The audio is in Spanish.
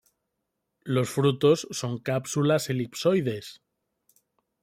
Los frutos son cápsulas elipsoides.